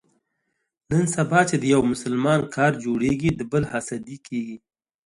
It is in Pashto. نن سبا چې د یو مسلمان کار جوړېږي، د بل حسدي کېږي.